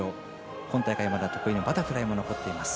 今大会、得意のバタフライも残っています。